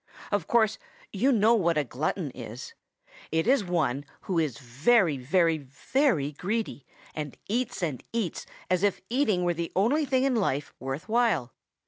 Of course you know what a glutton is. It is one who is very, very, very greedy and eats and eats as if eating were the only thing in life worth while.